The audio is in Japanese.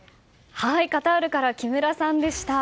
カタールから木村さんでした。